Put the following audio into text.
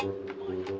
tidak tidak tidak